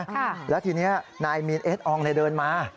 ค่ะแล้วทีนี้นายมีนเอสอองเนี่ยเดินมา